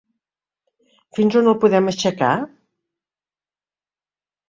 Fins on el podem aixecar?